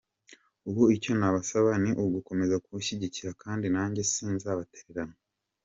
Ubu icyo nabasaba ni ugukomeza kunshyigikira kandi nanjye sinzabatererana.